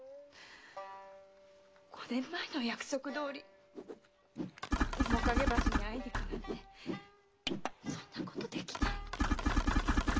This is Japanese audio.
五年前の約束どおりおもかげ橋に会いに行くなんてそんなことできない！